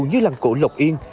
như làng cổ lộc yên